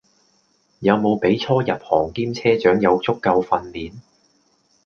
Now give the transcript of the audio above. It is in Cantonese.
有無俾初入行兼職車長有足夠訓練?